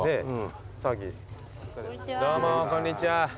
どうもこんにちは。